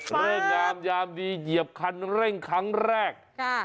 โอ้โฮแย่มหยามดีเยียบคันเร่งครั้งแรก